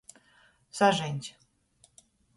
Sažeņs.